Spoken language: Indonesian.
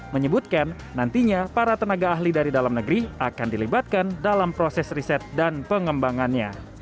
menyebutkan nantinya para tenaga ahli dari dalam negeri akan dilibatkan dalam proses riset dan pengembangannya